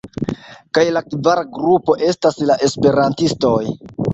Kaj la kvara grupo estas la esperantistoj.